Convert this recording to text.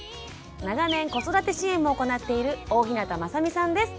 長年子育て支援も行っている大日向雅美さんです。